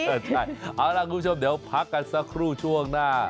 เอาล่ะคุณชมเดี๋ยวพักกันสักครู่ช่วงหน้า